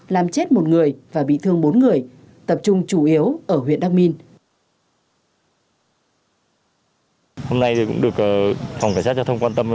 làm chết một người và bị thương bốn người tập trung chủ yếu ở huyện đắc minh